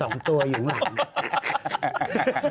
นี่๒ตัวอยู่หลัง